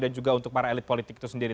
dan juga untuk para elit politik itu sendiri